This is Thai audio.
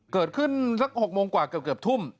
เกิดขึ้นซักหกโมงกว่าเกือบเกือบทุ่ม